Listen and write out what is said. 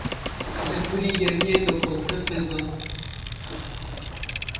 La polygamie est encore très présente.